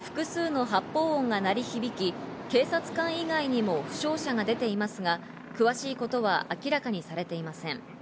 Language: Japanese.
現場では複数の発砲音が鳴り響き、警察官以外にも負傷者が出ていますが、詳しいことは明らかにされていません。